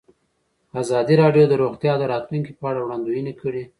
ازادي راډیو د روغتیا د راتلونکې په اړه وړاندوینې کړې.